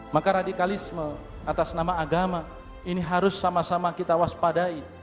maka radikalisme atas nama agama ini harus sama sama kita waspadai